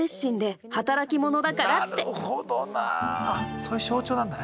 そういう象徴なんだね。